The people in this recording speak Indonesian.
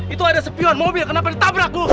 itu ada sepion mobil kenapa ditabrak